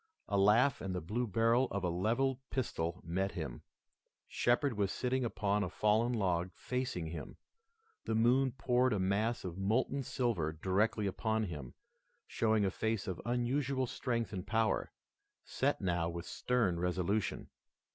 A laugh and the blue barrel of a levelled pistol met him. Shepard was sitting upon a fallen log facing him. The moon poured a mass of molten silver directly upon him, showing a face of unusual strength and power, set now with stern resolution.